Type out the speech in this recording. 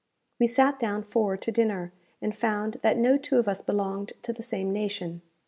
We sat down four to dinner, and found that no two of us belonged to the same nation.